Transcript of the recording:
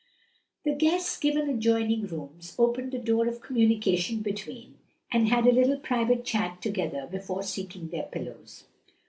The guests given adjoining rooms, opened the door of communication between and had a little private chat together before seeking their pillows.